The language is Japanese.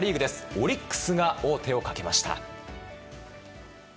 オリックスが王手をかけました。